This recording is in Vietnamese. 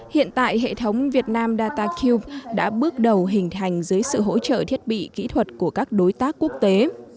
hiện tại hệ thống việt nam data q đã bước đầu hình thành dưới sự hỗ trợ thiết bị kỹ thuật của các đối tác quốc tế